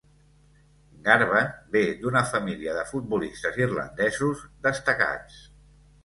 Garvan ve d'una família de futbolistes irlandesos destacats.